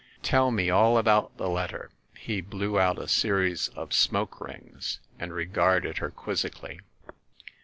Tell me all about the letter." He blew out a series of smoke rings and regarded her quizzically.